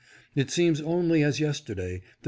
It seems only as yesterday, that.